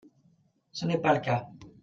Ce n’est pas le cas